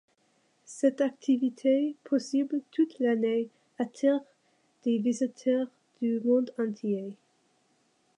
Cette activité, possible toute l'année, attire des visiteurs du monde entier.